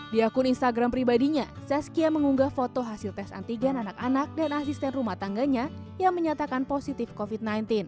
di akun instagram pribadinya zazkia mengunggah foto hasil tes antigen anak anak dan asisten rumah tangganya yang menyatakan positif covid sembilan belas